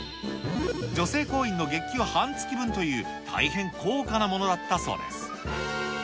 女性工員の月給半月分という大変高価なものだったそうです。